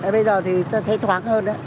bây giờ thì thoáng hơn đấy